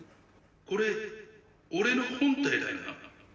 ・これ俺の本体だよな？